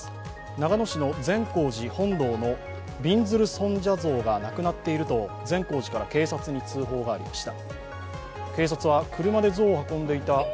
長野市の善光寺本堂のびんずる尊者像がなくなっていると善光寺から警察に通報がありました。